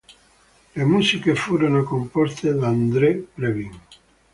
Le musiche furono composte da André Previn.